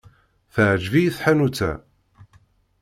Teɛjeb-iyi tḥanut-a.